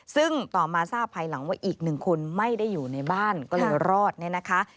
ซึ่งต่อมาทราบภายหลังว่าอีกหนึ่งคนไม่ได้อยู่ในบ้านก็เลยรอดเนี่ยนะคะ